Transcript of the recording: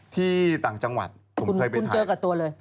ต่างจังหวัดผมเคยเป็นคุณเจอกับตัวเลย